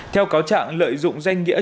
theo cáo trạng lợi dụng danh nghĩa